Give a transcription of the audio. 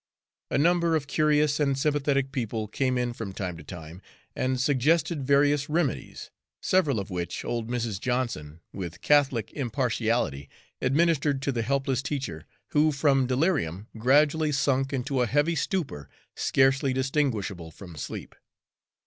A number of curious and sympathetic people came in from time to time and suggested various remedies, several of which old Mrs. Johnson, with catholic impartiality, administered to the helpless teacher, who from delirium gradually sunk into a heavy stupor scarcely distinguishable from sleep.